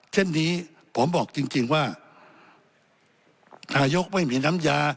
เช่นนี้ผมบอกจริงว่านายกไม่มีน้ำยา